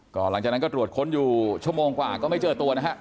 ก็หลังจากนั้นก็ตรวจค้นอยู่ชั่วโมงกว่าก็ไม่เจอตัวนะฮะ